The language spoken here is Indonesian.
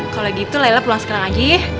kalo gitu laila pulang sekarang aja ya